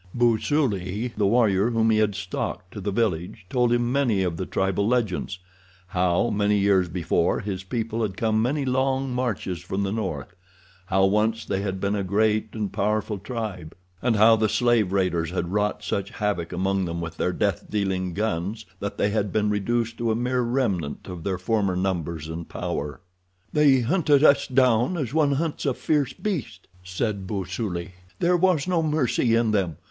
Busuli, the warrior whom he had stalked to the village, told him many of the tribal legends—how, many years before, his people had come many long marches from the north; how once they had been a great and powerful tribe; and how the slave raiders had wrought such havoc among them with their death dealing guns that they had been reduced to a mere remnant of their former numbers and power. "They hunted us down as one hunts a fierce beast," said Busuli. "There was no mercy in them.